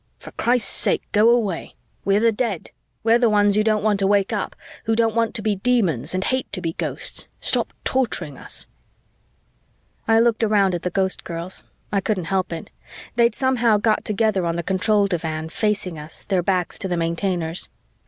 For Christ's sake, go away. We're the dead. We're the ones who don't want to wake up, who don't want to be Demons and hate to be Ghosts. Stop torturing us.'" I looked around at the Ghostgirls; I couldn't help it. They'd somehow got together on the control divan, facing us, their backs to the Maintainers.